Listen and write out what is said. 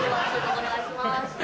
お願いします。